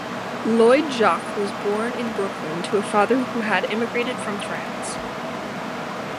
Lloyd Jacquet was born in Brooklyn to a father who had immigrated from France.